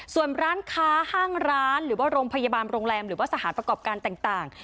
ส่วนร้านค้าห้างร้านหรือว่าโรงพยาบาลโรงแรมหรือว่าสถานประกอบการต่าง